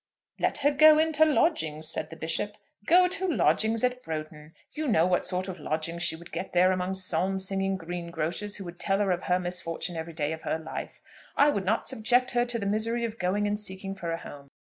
'Let her go into lodgings,' said the Bishop. Go to lodgings at Broughton! You know what sort of lodgings she would get there among psalm singing greengrocers who would tell her of her misfortune every day of her life! I would not subject her to the misery of going and seeking for a home.